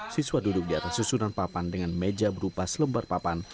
siswa duduk di atas susunan papan dengan meja berupa selembar papan